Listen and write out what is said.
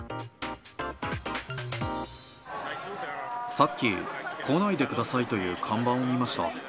さっき、来ないでくださいという看板を見ました。